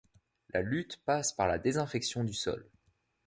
La lutte passe par la désinfection du sol.